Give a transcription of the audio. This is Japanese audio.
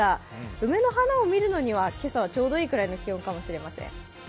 梅の花を見るのには今朝はちょうどいいくらいの気温かもしれません。